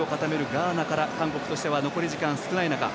ガーナから韓国としては残り時間少ない中